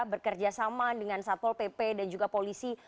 bekerjasama dengan subpol pp dan juga polisi